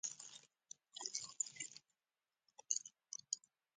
سړک د خلکو د حقونو برخه ده.